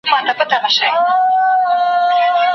ماته مه راښیه لاري تر ساحل پوری د تللو